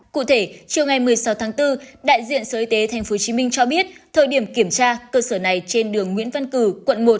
cụ thể chiều ngày một mươi sáu tháng bốn đại diện sở y tế tp hcm cho biết thời điểm kiểm tra cơ sở này trên đường nguyễn văn cử quận một